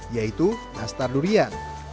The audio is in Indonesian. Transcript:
yaitu nastar durian